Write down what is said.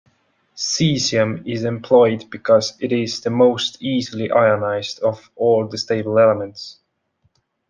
Caesium is employed because it is the most easily ionized of all stable elements.